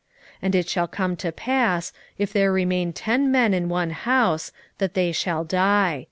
6:9 And it shall come to pass, if there remain ten men in one house, that they shall die.